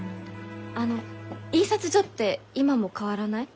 あの印刷所って今も変わらない？